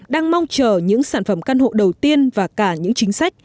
đang mong chờ những sản phẩm căn hộ đầu tiên và cả những chính sách